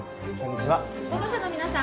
保護者の皆さん